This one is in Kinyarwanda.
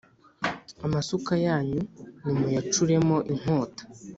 Amasuka yanyu nimuyacuremo inkota,